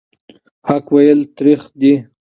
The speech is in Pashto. حق ویل تریخ دي.